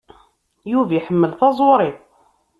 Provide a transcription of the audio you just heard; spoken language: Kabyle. Yuba iḥemmel taẓuri.